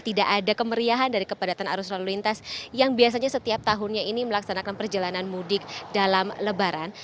tidak ada kemeriahan dari kepadatan arus lalu lintas yang biasanya setiap tahunnya ini melaksanakan perjalanan mudik dalam lebaran